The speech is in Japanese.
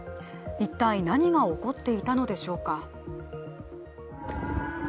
一体、何が起こっていたのでしょうか。